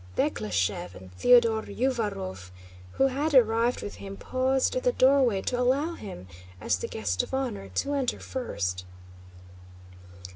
Bekleshëv and Theodore Uvárov, who had arrived with him, paused at the doorway to allow him, as the guest of honor, to enter first.